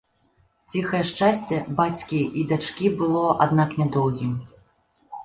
Ціхае шчасце бацькі і дачкі было, аднак, нядоўгім.